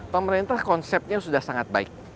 pemerintah konsepnya sudah sangat baik